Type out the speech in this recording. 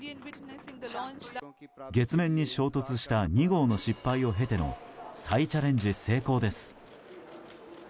月面に衝突した「２号」の失敗を経ての再チャレンジ成功です。